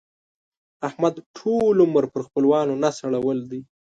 احمد ټول عمر پر خپلوانو نس اړول دی.